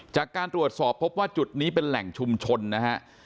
จากการตรวจสอบพบว่าจุดนี้เป็นแหล่งชุมชนนะฮะ